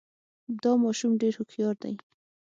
دا ماشوم ډېر هوښیار دی.